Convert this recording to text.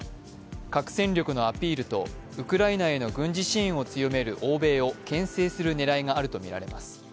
核戦力のアピールとウクライナへの軍事支援を強める欧米をけん制する狙いがあるとみられます。